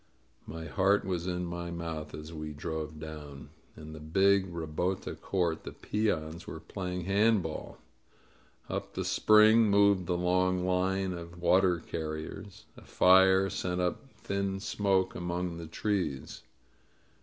My heart was in my mouth as we drove down. In the big ribota court the peons were playing hand ball. Up from the spring moved the long line of water carriers. A fire sent up thin smoke among the trees.